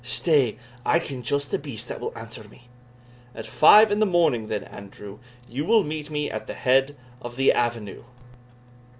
Stay I ken just the beast that will answer me." "At five in the morning, then, Andrew, you will meet me at the head of the avenue."